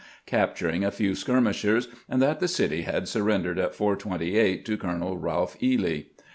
capturing a few skir mishers, and that the city had surrendered at 4 : 28 to Colonel Ralph Ely.